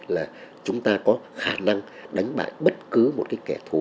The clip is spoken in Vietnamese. là chúng ta có khả năng đánh bại bất cứ một cái kẻ thù